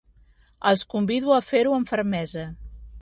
Els convido a fer-ho amb fermesa.